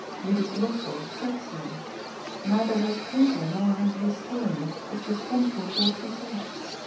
Judith Lossell said so. Neither her printer nor her historian is responsible for what she said.